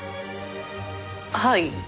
はい。